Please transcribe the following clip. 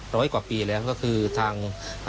ร้อยกว่าปีแล้วก็คือทาง